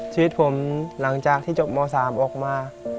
ชีวิตผมหลังจากที่จบม๓ออกมา